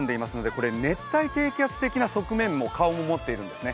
これ、熱帯低気圧的な顔も持っているんですね。